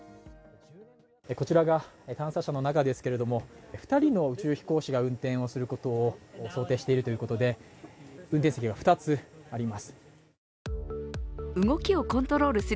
こちらが探査車の中ですけれども２人の宇宙飛行士が運転することを想定しているということで運転席が２つあります。